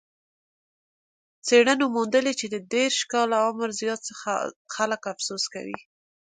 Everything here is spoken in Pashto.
څېړنو موندلې چې د دېرش کاله عمر څخه زیات خلک افسوس کوي.